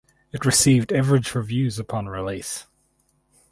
It received average reviews upon release.